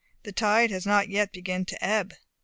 The tide has not yet begun to ebb.